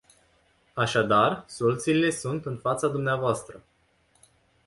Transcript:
Așadar, soluțiile sunt în fața dvs.